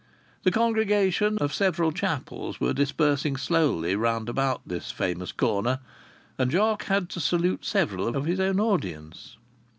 The congregations of several chapels were dispersing slowly round about this famous corner, and Jock had to salute several of his own audience.